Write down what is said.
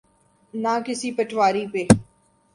نہ کسی پٹواری پہ۔